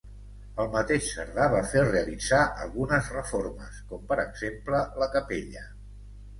El mateix Cerdà va fer realitzar algunes reformes, com per exemple la capella.